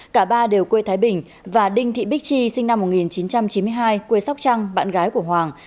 cả ba đều quê thái bình và đinh thị bích chi sinh năm một nghìn chín trăm chín mươi hai quê sóc trăng bạn gái của hoàng